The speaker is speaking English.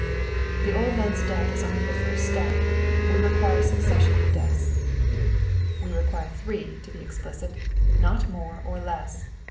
"The old man's death is only the first step. We require a succession of deaths." "We require three, to be explicit, not more or less.